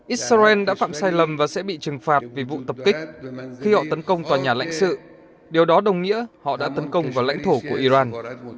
israel đã phạm sai lầm và sẽ bị trừng phạt vì vụ tập kích khi họ tấn công tòa nhà lãnh sự điều đó đồng nghĩa họ đã tấn công vào lãnh thổ của iran